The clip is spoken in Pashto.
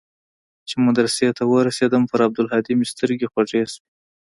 چې مدرسې ته ورسېدم پر عبدالهادي مې سترګې خوږې سوې.